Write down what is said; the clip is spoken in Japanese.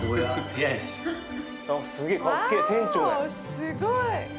すごい！